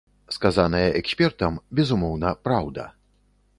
Сказанае экспертам, безумоўна, праўда.